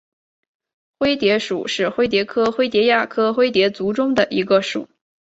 灰蝶属是灰蝶科灰蝶亚科灰蝶族中的一个属。